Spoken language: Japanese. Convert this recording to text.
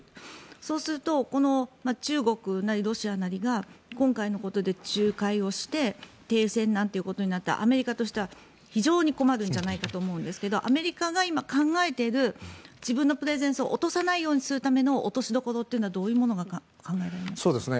そうするとこの中国なりロシアなりが今回のことで仲介をして停戦なんてことになったらアメリカからしたら非常に困るんじゃないかと思うんですけどアメリカが今、考えている自分のプレゼンスを落とさないようにするための落としどころはどういうものが考えられますか。